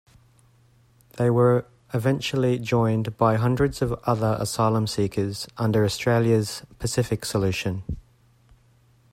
They were eventually joined by hundreds of other asylum seekers, under Australia's "Pacific Solution".